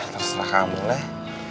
terserah kamu leh